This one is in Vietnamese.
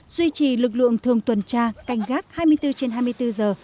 duy trì lực lượng thường tuần tra canh gác hai mươi bốn trên hai mươi bốn giờ